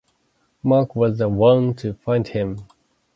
Mark was the one to find him.